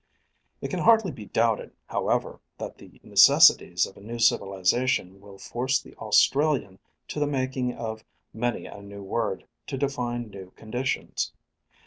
It can hardly be doubted, however, that the necessities of a new civilization will force the Australian to the making of many a new word to define new conditions.